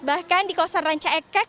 bahkan di kawasan ranca ekek